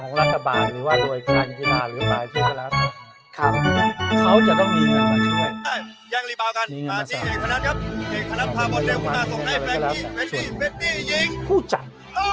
ของรัฐบาลหรือว่าโดยการรีบาลหรือว่าแจ้งการของเขาจะต้องพูดจัด